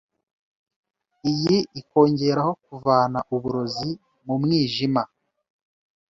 iyi ikongeraho kuvana uburozi mu mwijima